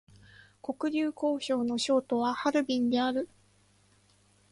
黒竜江省の省都はハルビンである